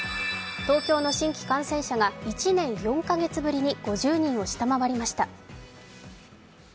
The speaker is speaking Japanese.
東京の新規感染者が１年４カ月ぶりに５０人を下回りました。